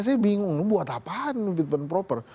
saya bingung buat apaan fit and proper